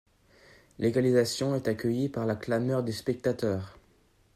L'égalisation est accueillie par la clameur des spectateurs.